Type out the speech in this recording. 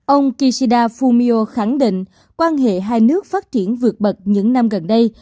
ông kishida fumio khẳng định quan hệ hai nước phát triển vượt bậc những năm gần đây